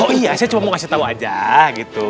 oh iya saya cuma mau kasih tahu aja gitu